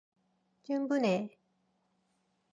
충분해.